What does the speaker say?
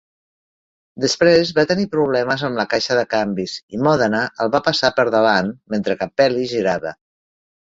Després va tenir problemes amb la caixa de canvis i Modena el va passar per davant mentre Capelli es girava.